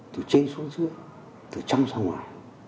từ trên xuống dưới từ trong sang ngoài